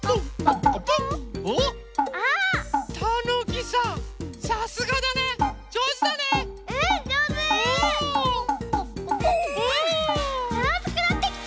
あつくなってきた！